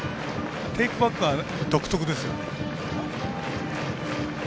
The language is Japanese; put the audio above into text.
テイクバックが独特ですよね。